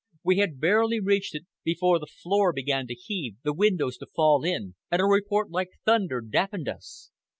We had barely reached it before the floor began to heave, the windows to fall in, and a report like thunder deafened us!